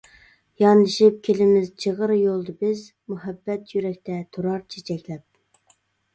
ياندىشىپ كېلىمىز چىغىر يولدا بىز، مۇھەببەت يۈرەكتە تۇرار چېچەكلەپ.